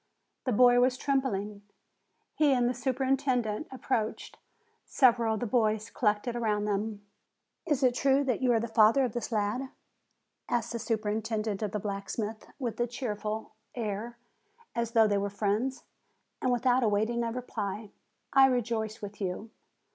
The boy was trembling. He and the superintendent ap proached; several of the boys collected around them. "Is it true that you are the father of this lad?" asked the superintendent of the blacksmith, with a cheerful air, as though they were friends. And, without awaiting a reply : "I rejoice with you.